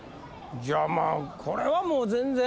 じゃあまあこれはもう全然。